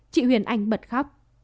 chị huyền anh bật khóc